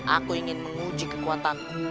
aku ingin menguji kekuatanku